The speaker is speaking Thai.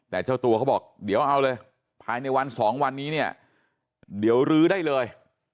แต่เจ้าตัวเขาบอกเดี๋ยวเอาเลยภายในวันสองวันนี้เนี่ยเดี๋ยวรื้อได้เลย